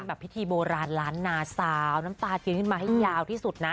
แบบพิธีโบราณล้านนาสาวน้ำตาเทียนขึ้นมาให้ยาวที่สุดนะ